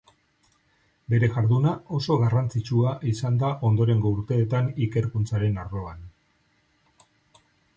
Bere jarduna oso garrantzitsua izan da ondorengo urteetan ikerkuntzaren arloan.